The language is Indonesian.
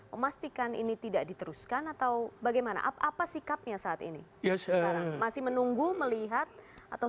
memastikan ini tidak diteruskan atau bagaimana apa sikapnya saat ini masih menunggu melihat atau